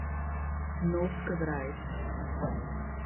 Novo Cabrais